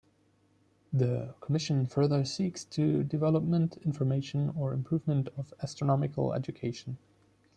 The Commission further seeks to development, information or improvement of astronomical education.